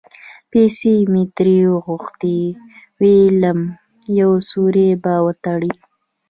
پیسې مې ترې وغوښتې؛ وېلم یو سوری به وتړي.